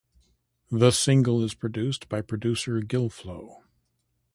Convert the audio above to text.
The single is produced by producer Gilflo.